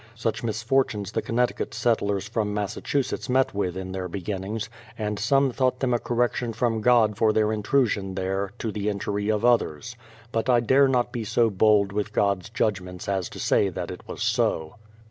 Such misfortunes the Connecticut settlers from Massachusetts met with in their beginnings, and some thought them a correction from God for their intrusion there, to the injury of others. But I dare not be so bold with God's judgments as to say that it was so.